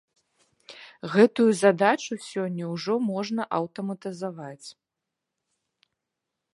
Гэтую задачу сёння ўжо можна аўтаматызаваць.